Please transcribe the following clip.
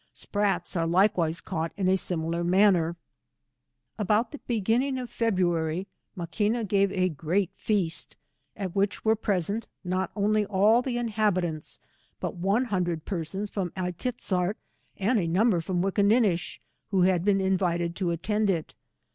Sprats are likewise caught in a similar manner. About the beginning of February, Maquina gave a great feast, at which^were present not only 127 all the inhabitants, but one hundred persona from A i tiz zart, and a number from VVickinninish, who had been invited to attend it.